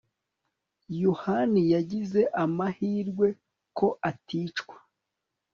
yohaniyagize amahirwe ko aticwa